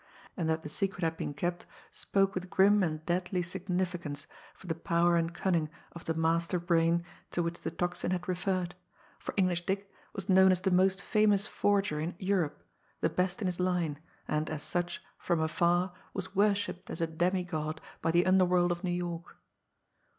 And that the secret had been kept spoke with grim and deadly significance for the power and cunning of the master brain to which the Tocsin had referred, for English Dick was known as the most famous forger in Europe, the best in his line, and as such, from afar, was worshipped as a demi god by the underworld of New York.